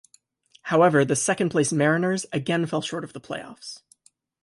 However, the second-place Mariners again fell short of the playoffs.